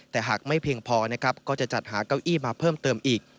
แต่หากไม่เพียงพอนะครับก็จะจัดหาเก้าอี้มาเพิ่มเติมอีก